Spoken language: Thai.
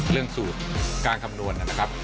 เรื่องสูตรการคำนวณนะครับ